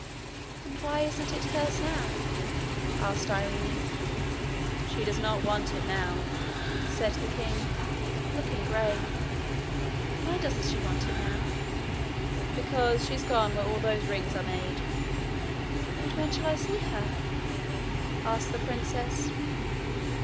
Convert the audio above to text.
'And why isn't it hers now?' asked Irene. 'She does not want it now,' said the king, looking grave. 'Why doesn't she want it now?' 'Because she's gone where all those rings are made.' 'And when shall I see her?' asked the princess.